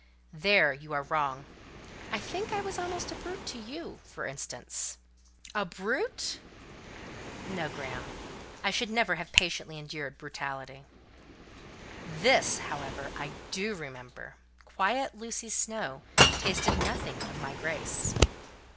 "There you are wrong; I think I was almost a brute to you, for instance." "A brute! No, Graham: I should never have patiently endured brutality." "This, however, I do remember: quiet Lucy Snowe tasted nothing of my grace."